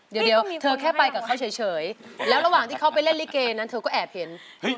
เดี๋ยวเธอแค่ไปกับเขาเฉยแล้วระหว่างที่เขาไปเล่นลิเกนั้นเธอก็แอบเห็น